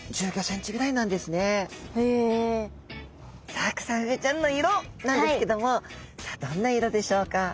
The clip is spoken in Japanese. さあクサフグちゃんの色なんですけどもさあどんな色でしょうか？